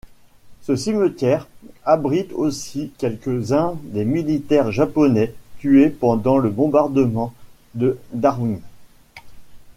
Ce cimetière abrite aussi quelques-uns des militaires japonais tués pendant le bombardement de Darwin.